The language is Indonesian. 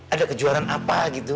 ada kejuaraan apa gitu